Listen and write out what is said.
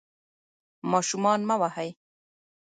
ماشومان مه وهئ.